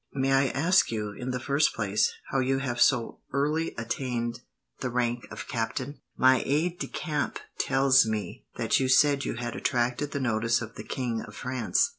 May I ask you, in the first place, how you have so early attained the rank of captain? My aide de camp tells me that you said you had attracted the notice of the King of France.